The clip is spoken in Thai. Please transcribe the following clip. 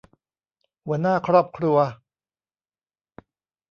หัวหน้าครอบครัว